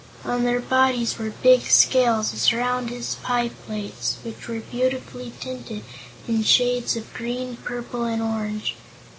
On their bodies were big scales, as round as pie plates, which were beautifully tinted in shades of green, purple and orange.